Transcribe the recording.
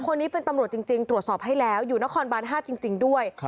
คนนี้เป็นตำรวจจริงตรวจสอบให้แล้วอยู่นครบาน๕จริงด้วย